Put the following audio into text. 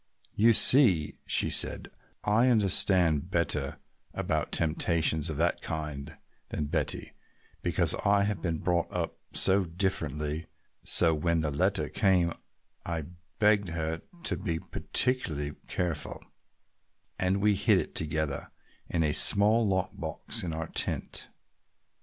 "You see," she said, "I understand better about temptations of that kind than Betty, because I have been brought up so differently, so when the letter came I begged her to be particularly careful, and we hid it together in a small lock box in our tent.